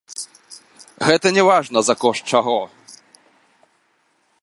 Гэта не важна, за кошт чаго.